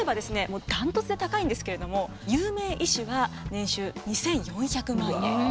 もう断トツで高いんですけれども有名医師は年収２，４００万円。